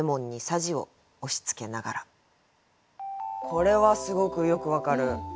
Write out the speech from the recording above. これはすごくよく分かる。